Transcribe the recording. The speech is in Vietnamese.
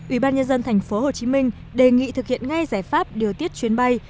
ủy ban nhân dân tp hcm đề nghị thực hiện ngay giải pháp điều tiết chuyến bay